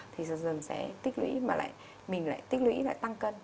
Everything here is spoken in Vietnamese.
thì dần dần sẽ tích lũy mà lại mình lại tích lũy lại tăng cân